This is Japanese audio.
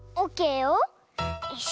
よし。